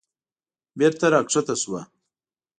بېرته راکښته شوه.